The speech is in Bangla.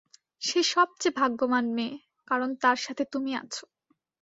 সে সবচেয়ে ভাগ্যবান মেয়ে কারণ তার সাথে তুমি আছো।